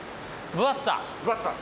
分厚さ。